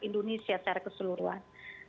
indonesia secara keseluruhan